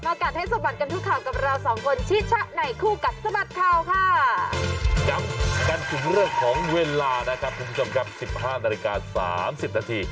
กัดให้สะบัดกันทุกข่าวกับเราสองคนชิชะในคู่กัดสะบัดข่าวค่ะย้ำกันถึงเรื่องของเวลานะครับคุณผู้ชมครับสิบห้านาฬิกาสามสิบนาที